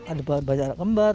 ada banyak anak kembar